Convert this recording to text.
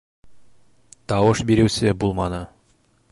Тауыш биреүсе булманы.